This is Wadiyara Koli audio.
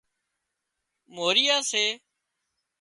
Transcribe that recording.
موريا سي